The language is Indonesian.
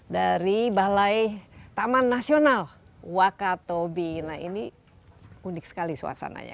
dari balai taman nasional wakatobi nah ini unik sekali suasananya